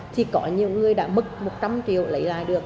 thì có nhiều người đã mất một trăm linh triệu lấy lại được